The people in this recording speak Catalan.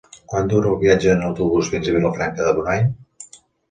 Quant dura el viatge en autobús fins a Vilafranca de Bonany?